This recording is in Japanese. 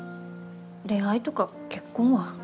恋愛とか結婚は。